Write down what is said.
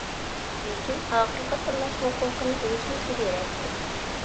لېكىن ئاخىرقى تاللاش ھوقۇقىنى ئۆزىمىزگە بېرەتتى.